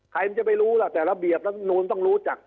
ใครมันจะไปรู้ล่ะแต่ระเบียบรัฐมนูลต้องรู้จัก